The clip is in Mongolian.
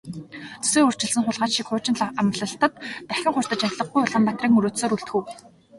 Зүсээ өөрчилсөн хулгайч шиг хуучин амлалтад дахин хууртаж авлигагүй Улаанбаатарыг мөрөөдсөөр үлдэх үү?